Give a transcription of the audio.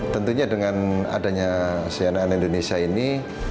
tentunya dengan adanya cnn indonesia ini